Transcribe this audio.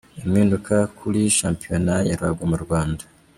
Impinduka kuri Shampiyona ya Ruhago mu Rwanda